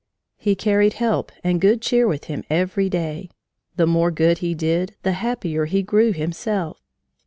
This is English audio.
He carried help and good cheer with him every day. The more good he did, the happier he grew himself.